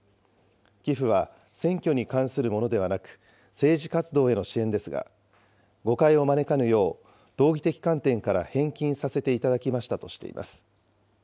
寄付は選挙に関するものではなく、政治活動への支援ですが、誤解を招かぬよう、道義的観点から返金させていただきましたとしています。